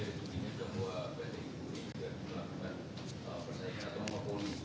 untuk ingin tahu bahwa pt ibu ini juga melakukan pertandingan atau memopuli